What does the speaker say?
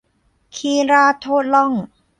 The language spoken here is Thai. ขี้ราดโทษล่อง